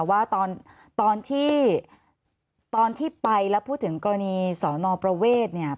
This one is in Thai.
ว่าตอนที่ตอนที่ไปแล้วพูดถึงกรณีสอนอประเวทเนี่ย